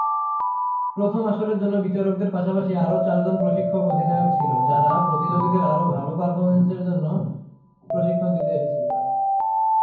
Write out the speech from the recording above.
প্রথম আসরের জন্য বিচারকদের পাশাপাশি আরও চারজন প্রশিক্ষক/অধিনায়ক ছিল; যারা প্রতিযোগীদের আরও ভাল পারফরম্যান্সের জন্য প্রশিক্ষণ দিতে এসেছিলেন।